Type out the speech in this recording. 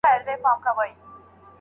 تاجران به نوي ټوکران راوړي.